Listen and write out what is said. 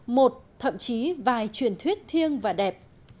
một thậm chí vài truyền thuyết thiêng và đẹp